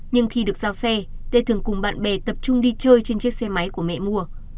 nhưng khi được giao xe lê thường cùng bạn bè tập trung đi chơi trên chiếc xe máy của mẹ mua